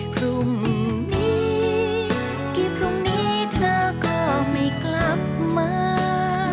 พรุ่งนี้กี่พรุ่งนี้เธอก็ไม่กลับมา